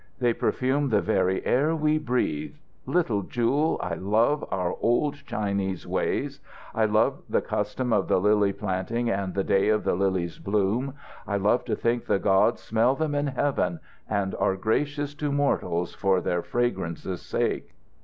"They perfume the very air we breathe. Little Jewel, I love our old Chinese ways. I love the custom of the lily planting and the day the lilies bloom. I love to think the gods smell them in heaven, and are gracious to mortals for their fragrance's sake."